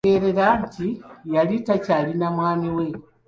Baategeera nti yali takyali na mwami we.